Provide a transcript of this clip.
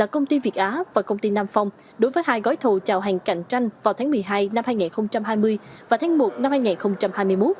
công ty việt á và công ty nam phong đối với hai gói thầu chào hàng cạnh tranh vào tháng một mươi hai năm hai nghìn hai mươi và tháng một năm hai nghìn hai mươi một